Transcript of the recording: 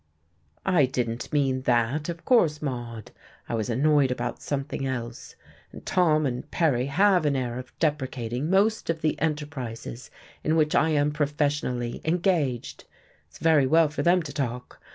"I didn't mean that, of course, Maude. I was annoyed about something else. And Tom and Perry have an air of deprecating most of the enterprises in which I am professionally engaged. It's very well for them to talk.